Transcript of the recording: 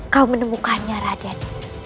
kau menemukannya raden